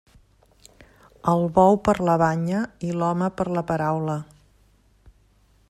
El bou per la banya, i l'home per la paraula.